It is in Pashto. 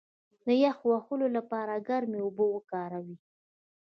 د یخ وهلو لپاره ګرمې اوبه وکاروئ